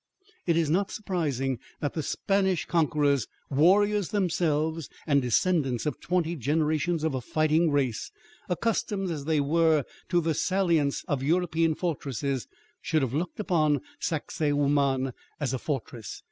It is not surprising that the Spanish conquerors, warriors themselves and descendants of twenty generations of a fighting race, accustomed as they were to the salients of European fortresses, should have looked upon Sacsahuaman as a fortress.